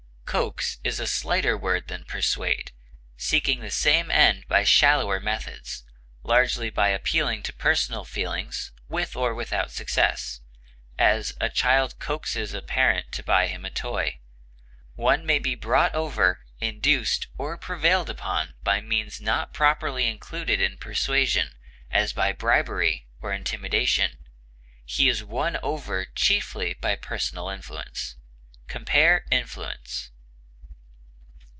Coax is a slighter word than persuade, seeking the same end by shallower methods, largely by appeal to personal feeling, with or without success; as, a child coaxes a parent to buy him a toy. One may be brought over, induced, or prevailed upon by means not properly included in persuasion, as by bribery or intimidation; he is won over chiefly by personal influence. Compare INFLUENCE.